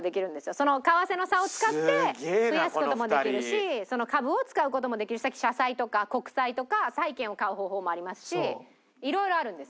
その為替の差を使って増やす事もできるしその株を使う事もできるしさっき社債とか国債とか債券を買う方法もありますし色々あるんです。